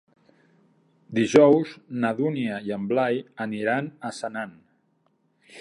Dijous na Dúnia i en Blai aniran a Senan.